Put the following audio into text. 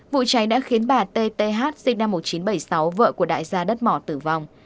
vụ cháy đã khiến bà t t h sinh năm một nghìn chín trăm bảy mươi sáu vợ của đại gia đất mỏ tử vong